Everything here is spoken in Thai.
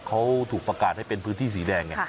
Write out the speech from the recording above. เขาถูกประกาศให้เป็นพื้นที่สีแดงไง